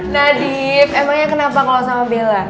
nah div emangnya kenapa kalau sama bella